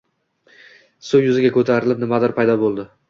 Suv yuziga ko`tarilib, nimadir paydo bo`ldi